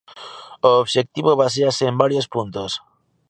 O obxectivo baséase en varios puntos.